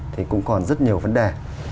thì cũng còn rất nhiều vấn đề